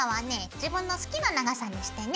自分の好きな長さにしてね。